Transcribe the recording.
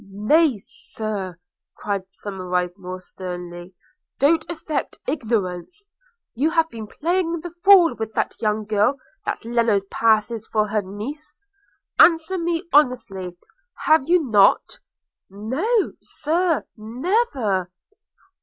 'Nay, Sir,' cried Somerive more sternly, 'don't affect ignorance; you have been playing the fool with that young girl that Lennard passes for her niece. Answer me honestly – have you not?' 'No, Sir – never.'